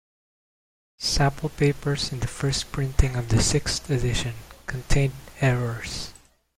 Sample papers in the first printing of the sixth edition contained errors.